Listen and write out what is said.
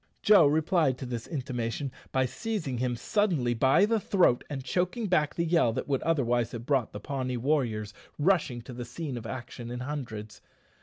Joe replied to this intimation by seizing him suddenly by the throat and choking back the yell that would otherwise have brought the Pawnee warriors rushing to the scene of action in hundreds.